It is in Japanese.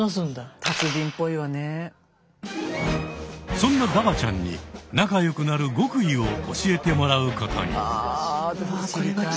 そんなダバちゃんに仲良くなる極意を教えてもらうことに。